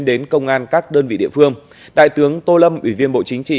đến công an các đơn vị địa phương đại tướng tô lâm ủy viên bộ chính trị